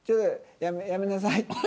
やめなさいって。